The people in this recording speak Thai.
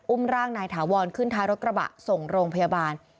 ร่างนายถาวรขึ้นท้ายรถกระบะส่งโรงพยาบาล